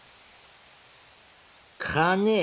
金？